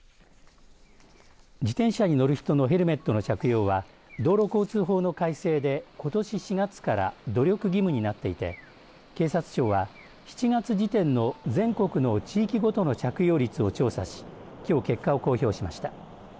自転車に乗る人のヘルメットの着用は道路交通法の改正でことし４月から努力義務になっていて警察庁は７月時点の全国の地域ごとの着用率を調査しきょう結果を公表しました。